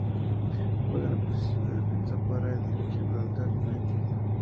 Juega en la posición de defensa para el Gibraltar United.